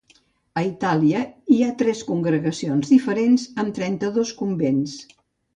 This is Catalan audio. A Itàlia hi ha tres congregacions diferents amb trenta-dos convents.